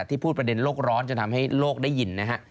พูดประเด็นโลกร้อนจนทำให้โลกได้ยินนะฮะ